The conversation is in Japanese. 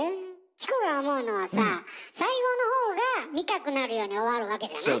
チコが思うのはさあ最後の方が見たくなるように終わるわけじゃない？